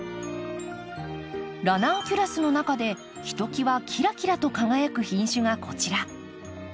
ラナンキュラスの中でひときわキラキラと輝く品種がこちら。